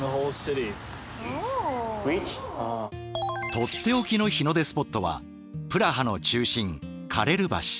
とっておきの日の出スポットはプラハの中心カレル橋。